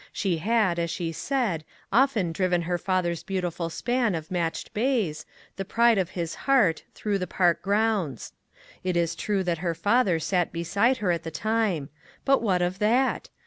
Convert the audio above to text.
She had, as she said, often driven her father's beau tiful span of matched bays, the pride of his heart, through the park grounds. It is true that her father sat beside her at the time; but what of that?